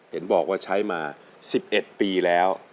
เห็นบอกว่าใช้มา๑๑ปีแล้ว